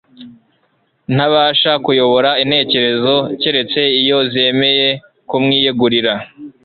Ntabasha kuyobora intekerezo keretse iyo zemeye kumwiyegurira